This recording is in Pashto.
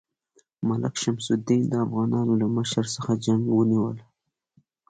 ملک شمس الدین د افغانانو له مشر څخه جنګ ونیوله.